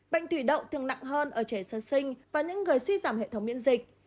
bệnh thủy đậu thường nặng hơn ở trẻ sơ sinh và những người suy giảm hệ thống miễn dịch